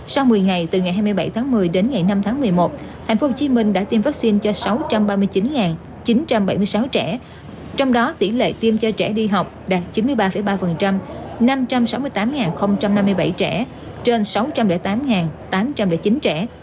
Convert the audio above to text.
sau một mươi ngày từ ngày hai mươi bảy tháng một mươi đến ngày năm tháng một mươi một tp hcm đã tiêm vaccine cho sáu trăm ba mươi chín chín trăm bảy mươi sáu trẻ trong đó tỷ lệ tiêm cho trẻ đi học đạt chín mươi ba ba năm trăm sáu mươi tám năm mươi bảy trẻ trên sáu trăm linh tám tám trăm linh chín trẻ